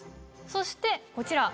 そしてこちら。